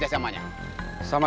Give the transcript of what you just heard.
dulu berbelom datang